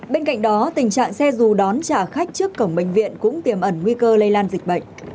bên cạnh đó tình trạng xe dù đón trả khách trước cổng bệnh viện cũng tiềm ẩn nguy cơ lây lan dịch bệnh